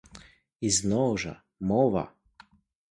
І, зноў жа, мова.